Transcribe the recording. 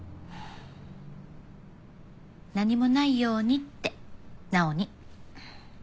何もないようにって直央に。